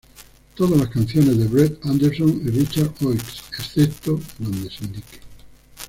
Todas las canciones de Brett Anderson y Richard Oakes, excepto donde se indique.